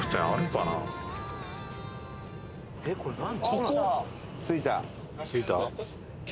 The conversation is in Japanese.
ここ？